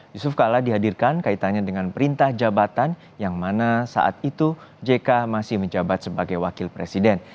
yusuf kala dihadirkan kaitannya dengan perintah jabatan yang mana saat itu jk masih menjabat sebagai wakil presiden